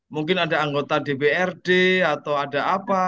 mungkin ada anggota dprd atau ada apa